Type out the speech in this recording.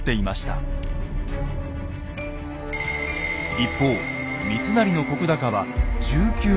一方三成の石高は１９万石。